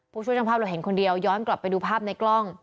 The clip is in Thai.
ช่วยช่างภาพเราเห็นคนเดียวย้อนกลับไปดูภาพในกล้อง